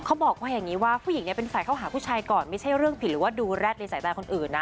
เขาบอกว่าอย่างนี้ว่าผู้หญิงเนี่ยเป็นฝ่ายเข้าหาผู้ชายก่อนไม่ใช่เรื่องผิดหรือว่าดูแร็ดในสายตาคนอื่นนะ